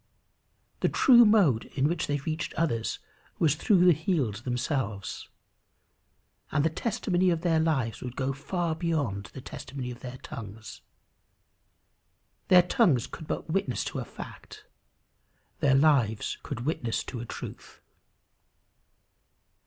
The true mode in which they reached others was through the healed themselves. And the testimony of their lives would go far beyond the testimony of their tongues. Their tongues could but witness to a fact; their lives could witness to a truth.